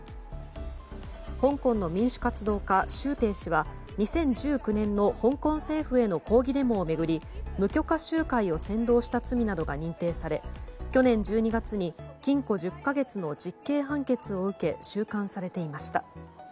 香港の民主活動家シュウ・テイ氏は２０１９年の香港政府への抗議デモを巡り無許可集会を扇動した罪などが認定され去年１２月に禁錮１０か月の実刑判決を受け収監されていました。